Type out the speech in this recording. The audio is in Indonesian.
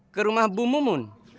ke rumah bu mumun